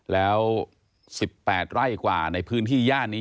แล้ว๑๘ไร่กว่าในพื้นที่ย่านนี้